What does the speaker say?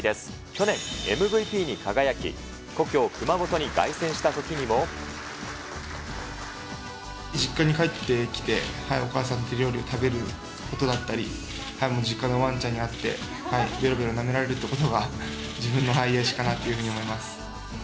去年、ＭＶＰに輝き、故郷、実家に帰ってきて、お母さんの手料理を食べることだったり、実家のわんちゃんに会って、べろべろなめられるということが自分の癒やしかなっていうふうに思います。